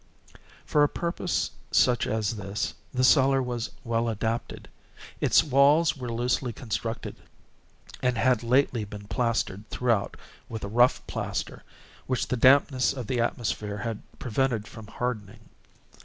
For a purpose such as this the cellar was well adapted. Its walls were loosely constructed, and had lately been plastered throughout with a rough plaster, which the dampness of the atmosphere had prevented from hardening.